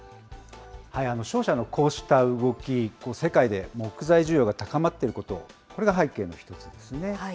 商社のこうした動き、世界で木材需要が高まっていること、これが背景の１つですね。